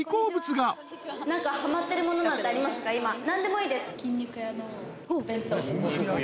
何でもいいです。